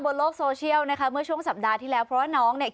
บนโลกโซเชียลนะคะเมื่อช่วงสัปดาห์ที่แล้วเพราะว่าน้องเนี่ย